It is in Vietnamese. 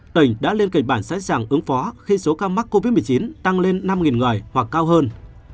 tỉnh đã lên kịch bản sẵn sàng ứng phó khi số ca mắc covid một mươi chín tăng lên năm người hoặc cao hơn